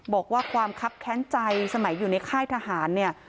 บอกว่าความคับแค้นใจสมัยอยู่ในค่ายทหารเนี่ย